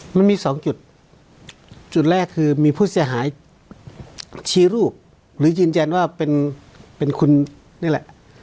มันมีสองจุดจุดแรกคือมีผู้เสียหายชี้รูปหรือยืนยันว่าเป็นคุณนี่แหละ